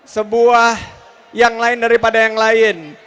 sebuah yang lain daripada yang lain